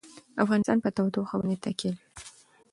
افغانستان په تودوخه باندې تکیه لري.